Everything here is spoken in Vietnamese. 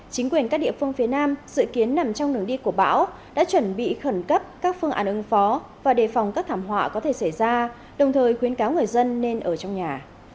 chính quyền các địa phương phía nam dự kiến nằm trong đường đi của bão đã chuẩn bị khẩn cấp các phương án ứng phó và đề phòng các thảm họa có thể xảy ra đồng thời khuyến cáo người dân nên ở trong nhà